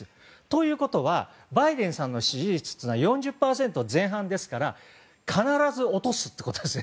ということはバイデンさんの支持率というのは４０％前半ですから必ず落とすってことです。